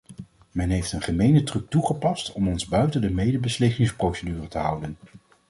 Men heeft een gemene truc toegepast om ons buiten de medebeslissingsprocedure te houden.